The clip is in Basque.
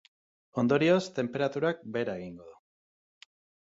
Ondorioz, tenperaturak behera egingo du.